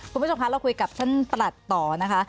คุณผู้ชมคะเราคุยกับท่านประหลัดต่อนะคะ